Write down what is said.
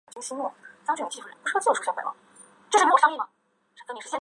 在我高中毕业时